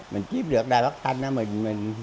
mình chiếm được đài phát thanh đó mình thoáng thởi rồi